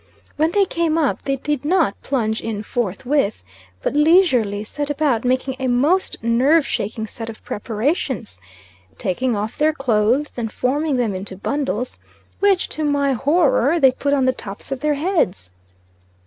When they came up they did not plunge in forthwith; but leisurely set about making a most nerve shaking set of preparations, taking off their clothes, and forming them into bundles, which, to my horror, they put on the tops of their heads.